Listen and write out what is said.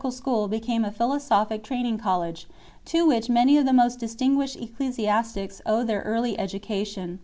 alone this Catechetic School 1 became a philosophic training college, to which many of the most distinguished ecclesi astics owed their early education.